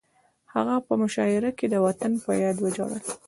هغه په مشاعره کې د وطن په یاد وژړل